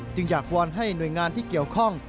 อยากวอนให้หน่วยงานที่เกี่ยวข้อง